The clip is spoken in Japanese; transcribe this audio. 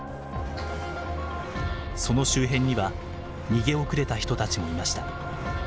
その周辺には逃げ遅れた人たちもいました。